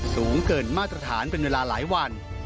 สูงเกินมาตรฐานเป็นเวลาหลายวัน